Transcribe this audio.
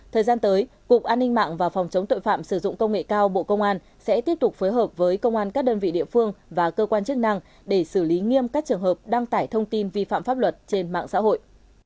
thời gian tới cục an ninh mạng và phòng chống tội phạm sử dụng công nghệ cao bộ công an sẽ tiếp tục phối hợp với công an các đơn vị địa phương và cơ quan chức năng để xử lý nghiêm các trường hợp đăng tải thông tin vi phạm pháp luật trên mạng xã hội